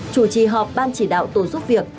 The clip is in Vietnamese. chủ trì họp ban chỉ đạo tổ giúp việc